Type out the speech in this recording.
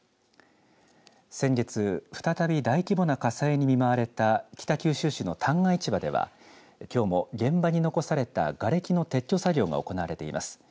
先月、再び大規模な火災に見舞われた北九州市の旦過市場ではきょうも現場に残されたがれきの撤去作業が行われています。